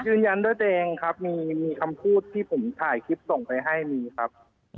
ยืนยันด้วยตัวเองครับมีคำพูดที่ผมถ่ายคลิปส่งไปให้มีครับ